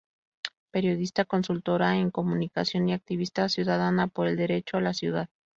Periodista, consultora en comunicación y activista ciudadana por el Derecho a la Ciudad.